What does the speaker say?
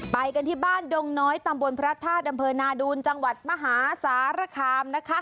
ไปกันที่บ้านดงน้อยตำบลพระธาตุอำเภอนาดูนจังหวัดมหาสารคามนะคะ